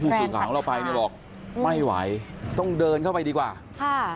สื่อข่าวของเราไปเนี่ยบอกไม่ไหวต้องเดินเข้าไปดีกว่าค่ะ